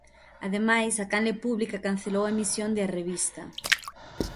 Ademais, a canle pública cancelou a emisión de "A Revista".